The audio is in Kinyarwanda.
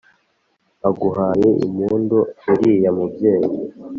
aguhaye impundu uriya mubyeyi